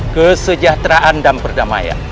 kesejahteraan dan perdamaian